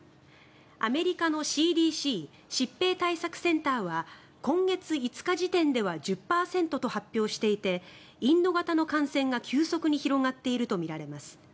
アメリカのＣＤＣ・疾病対策センターは今月５日時点では１０％と発表していてインド型の感染が急速に広がっているとみられます。